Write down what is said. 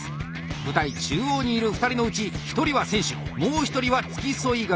舞台中央にいる２人のうち１人は選手もう１人は付添係。